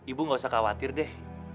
ibu gak usah khawatir deh